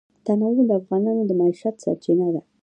تنوع د افغانانو د معیشت سرچینه ده.